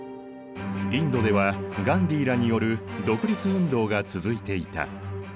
インドではガンディーらによる独立運動が続いていた。